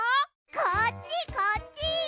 こっちこっち！